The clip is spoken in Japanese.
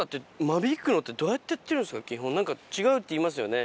基本何か違うっていいますよね。